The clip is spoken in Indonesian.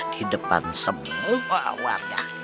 di depan semua warga